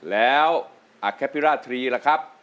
แล้วอาแกปิราตรีล่ะครับ